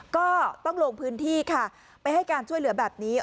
ก็ต้องลงพื้นที่ค่ะไปให้การช่วยเหลือแบบนี้